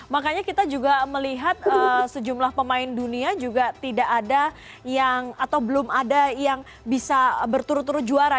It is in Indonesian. makanya kita juga melihat sejumlah pemain dunia juga tidak ada yang atau belum ada yang bisa berturut turut juara